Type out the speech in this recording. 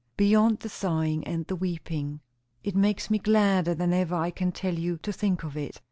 'Beyond the sighing and the weeping.' It makes me gladder than ever I can tell you, to think of it."